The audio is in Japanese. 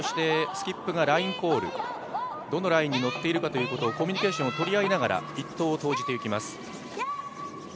スキップがラインコールどのラインに乗っているかというのをコミュニケーションをとりながら１投を投じていきます。